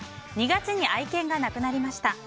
２月に愛犬が亡くなりました。